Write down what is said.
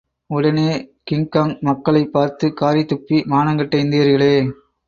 உடனே கிங்காங் மக்களைப் பார்த்து காரித்துப்பி, மானங்கெட்ட இந்தியர்களே!